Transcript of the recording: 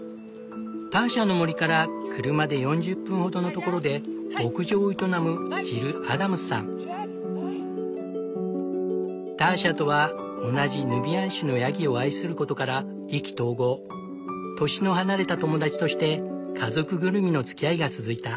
ターシャの森から車で４０分ほどの所で牧場を営むターシャとは同じヌビアン種のヤギを愛することから意気投合年の離れた友達として家族ぐるみのつきあいが続いた。